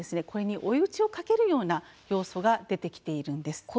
これに追い打ちをかけるような要素が出てきているんです。